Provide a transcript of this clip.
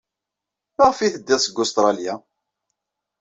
Maɣef ay teddid seg Ustṛalya?